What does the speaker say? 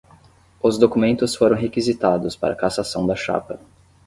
Os documentos foram requisitados para cassação da chapa